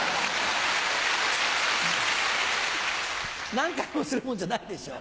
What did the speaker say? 何回もするもんじゃないでしょう。